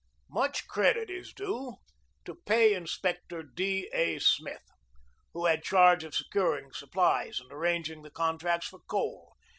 Much credit is due to Pay Inspector D. A. Smith, who had charge of securing supplies and arranging the contracts for coal.